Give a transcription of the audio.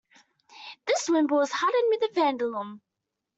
This wimble is hardened with vanadium.